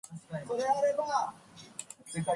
Antigenic drift occurs in both and viruses.